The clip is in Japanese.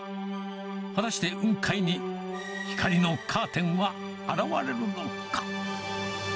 果たして雲海に光のカーテンは現れるのか。